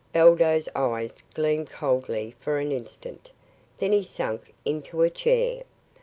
Baldos' eyes gleamed coldly for an instant. Then he sank into a chair.